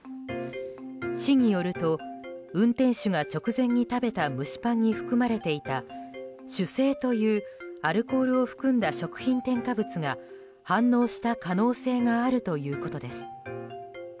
市によると運転手が直前に食べた蒸しパンに含まれていた酒精というアルコールを含んだ食品添加物が反応した可能性があるということです。